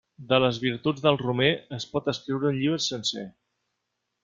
De les virtuts del romer es pot escriure un llibre sencer.